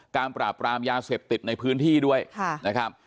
ปราบรามยาเสพติดในพื้นที่ด้วยนะครับ